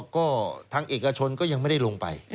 ก็ทางเอกชนก็ยังไม่ได้ลงไป